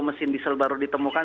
mesin diesel baru ditemukan